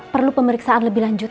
perlu pemeriksaan lebih lanjut